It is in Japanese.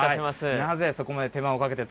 なぜそこまで手間をかけて造